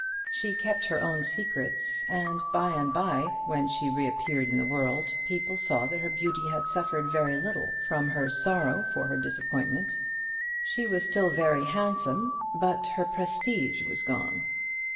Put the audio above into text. She kept her own secrets; and, by and by, when she reappeared in the world, people saw that her beauty had suffered very little from her sorrow for her disappointment. She was still very handsome, but her prestige was gone.